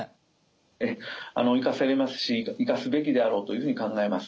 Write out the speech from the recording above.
ええ生かせれますし生かすべきであろうというふうに考えます。